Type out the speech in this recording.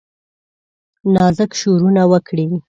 نازک شورونه وکړي